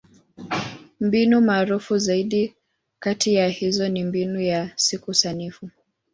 Mbinu maarufu zaidi kati ya hizo ni Mbinu ya Siku Sanifu.